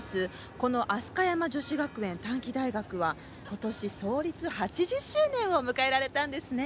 この飛鳥山女子学園短期大学は今年創立８０周年を迎えられたんですね。